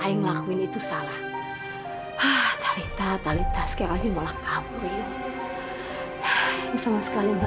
ya udah saya tinggal ya non